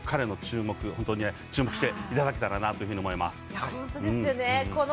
本当に注目していただけたらなと思います。